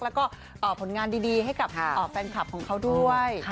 แล้วก็ผลงานดีให้กับแฟนคลับของเขาด้วย